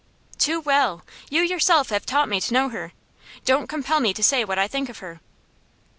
'Too well. You yourself have taught me to know her. Don't compel me to say what I think of her.